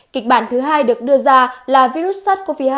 kịch bản thứ hai được đưa ra là virus sars cov hai